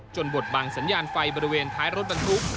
บดบังสัญญาณไฟบริเวณท้ายรถบรรทุก